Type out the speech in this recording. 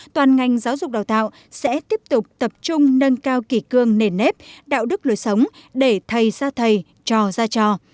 toàn ngành giáo dục đào tạo sẽ tiếp tục tập trung nâng cao kỷ cương nền nếp đạo đức lối sống để thầy ra thầy cho ra cho